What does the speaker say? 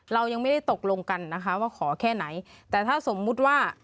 เรายังไม่ได้ตกลงกันนะคะว่าขอแค่ไหนแต่ถ้าสมมุติว่า